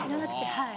はい。